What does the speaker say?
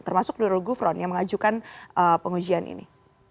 termasuk nurul gufron yang mengajukan pengujian ini